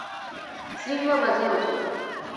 শৃঙ্গ বাজিয়া উঠিল।